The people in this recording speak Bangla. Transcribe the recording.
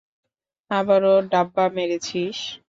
আবারও ডাব্বা মেরেছিস?